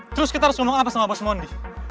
terus kita harus ngomong apa sama bos mondi